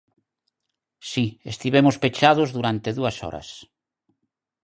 Si, estivemos pechados durante dúas horas.